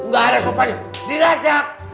gak ada sopanya dirajak